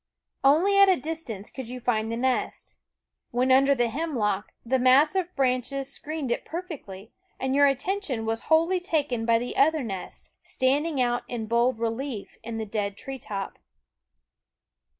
Only at a distance could you find the nest. When under the hemlock, the mass of branches screened it perfectly, and your attention was wholly taken by the other nest, standing out in bold relief in the dead tree top.